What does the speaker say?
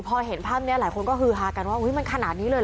พอเห็นภาพนี้หลายคนก็ฮือฮากันว่ามันขนาดนี้เลย